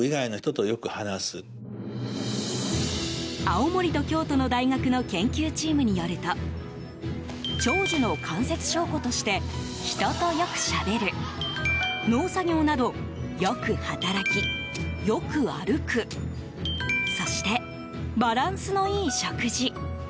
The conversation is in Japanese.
青森と京都の大学の研究チームによると長寿の間接証拠として人とよくしゃべる農作業などよく動き、よく歩くそして、バランスのいい食事。